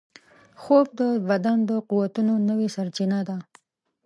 خوب د بدن د قوتونو نوې سرچینه ده